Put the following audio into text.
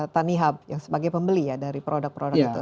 tanihub sebagai pembeli ya dari produk produk itu